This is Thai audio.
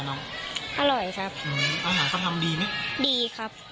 ไม่มีครับ